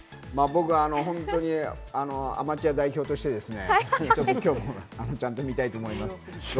僕はほんとにアマチュア代表としてですね、ちゃんと見たいと思います。